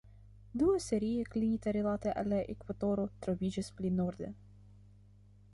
Dua serio, klinita rilate al la ekvatoro, troviĝas pli norde.